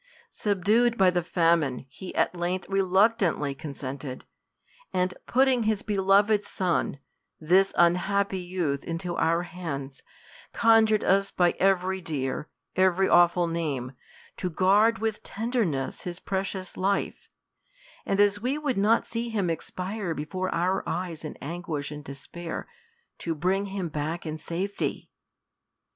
Subdued by the famine, he at length reluctantly con sented ; and putting his beloved son, this unhappy youth, into our hands, conjured us by every dear, every avv'ful name, to guard with tenderness his pre cious life ; and as we would not see him expire before our eyes in anguish and despair, to bring him back in safety.